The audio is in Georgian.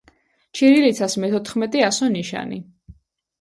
ჩირილიცას მეთოთხმეტე ასო-ნიშანი.